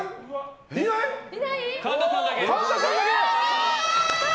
神田さんだけ。